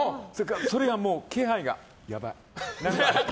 それがもう気配がやばい。